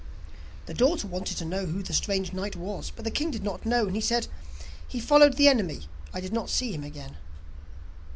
The daughter wanted to hear who the strange knight was, but the king did not know, and said: 'He followed the enemy, and I did not see him again.